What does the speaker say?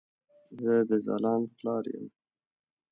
زه د ځلاند پلار يم